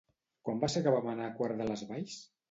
Quan va ser que vam anar a Quart de les Valls?